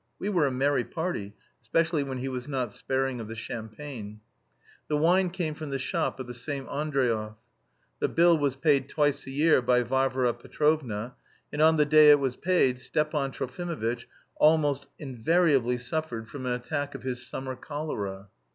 We were a merry party, especially when he was not sparing of the champagne. The wine came from the shop of the same Andreev. The bill was paid twice a year by Varvara Petrovna, and on the day it was paid Stepan Trofimovitch almost invariably suffered from an attack of his "summer cholera."